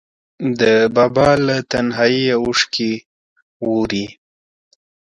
د بابا له تنهاییه اوښکې ووري